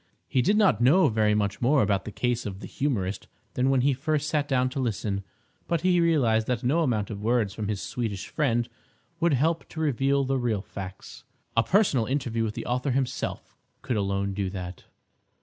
He did not know very much more about the case of the humorist than when he first sat down to listen; but he realised that no amount of words from his Swedish friend would help to reveal the real facts. A personal interview with the author himself could alone do that.